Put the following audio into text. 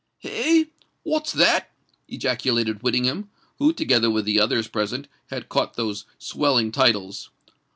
"Hey! what's that?" ejaculated Whittingham, who, together with the others present, had caught those swelling titles.